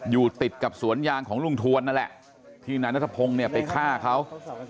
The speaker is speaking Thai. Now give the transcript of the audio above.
อยู่ติดกับสวนยางของลุงทวนนั่นแหละที่นายนัทพงศ์เนี่ยไปฆ่าเขา